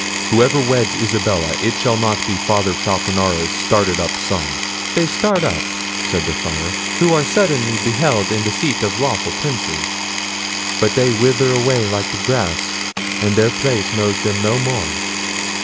Whoever weds Isabella, it shall not be Father Falconara's started up son." "They start up," said the Friar, "who are suddenly beheld in the seat of lawful Princes; but they wither away like the grass, and their place knows them no more."